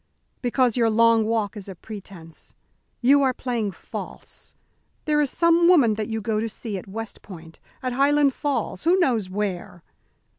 "Because your long walk is a pretence. You are playing false. There is some woman that you go to see at West Point, at Highland Falls, who knows where?"